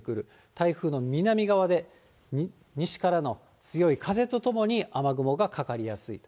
台風の南側で西からの強い風とともに雨雲がかかりやすい。